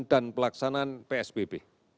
dan pelaksanaan psbb